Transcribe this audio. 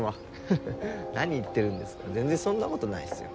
ハハハ何言ってるんですか全然そんなことないっすよ。